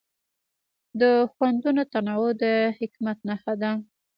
د خوندونو تنوع د حکمت نښه ده.